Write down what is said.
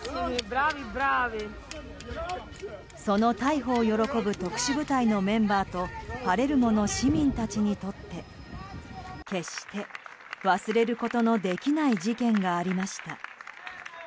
その逮捕を喜ぶ特殊部隊のメンバーとパレルモの市民たちにとって決して、忘れることのできない事件がありました。